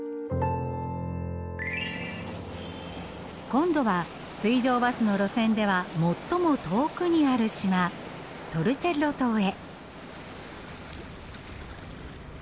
今度は水上バスの路線では最も遠くにある島トルチェッロ島へ。